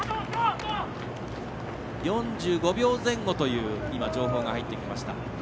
４５秒前後という情報が入ってきました。